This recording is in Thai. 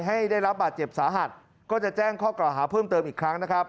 ให้ได้รับบาดเจ็บสาหัสก็จะแจ้งข้อกล่าวหาเพิ่มเติมอีกครั้งนะครับ